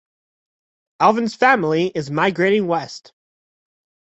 Alvin's family is migrating west.